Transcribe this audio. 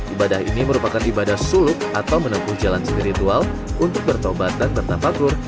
ibadah ini merupakan ibadah suluk atau menempuh jalan spiritual untuk bertobat dan bertafaktur